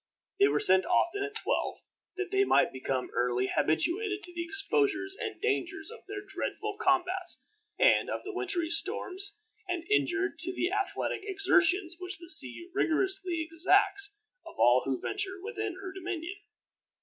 They were sent often at twelve, that they might become early habituated to the exposures and dangers of their dreadful combats, and of the wintery storms, and inured to the athletic exertions which the sea rigorously exacts of all who venture within her dominion.